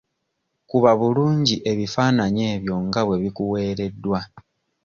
Kuba bulungi ebifaananyi ebyo nga bwe bikuweereddwa.